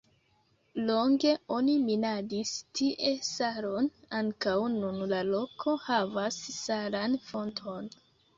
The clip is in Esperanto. Longe oni minadis tie salon, ankaŭ nun la loko havas salan fonton.